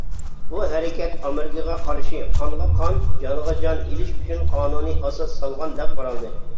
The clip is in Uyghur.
بۇ ھەرىكەت ئامېرىكىغا قارشى «قانغا قان، جانغا جان» ئېلىش ئۈچۈن قانۇنىي ئاساس سالغان دەپ قارالدى.